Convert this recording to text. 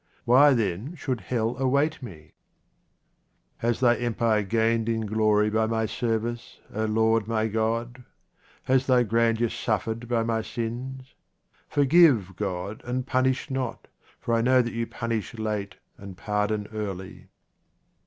Why, then, should hell await me ? Has Thy empire gained in glory by my service, O Lord my God ? has Thy grandeur suffered by my sins ? Forgive, God, and punish not, for I know that you punish late and pardon early.